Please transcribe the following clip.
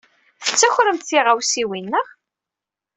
Tettakremt tiɣawsiwin, naɣ?